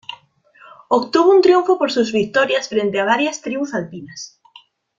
Obtuvo un triunfo por sus victorias frente a varias tribus alpinas.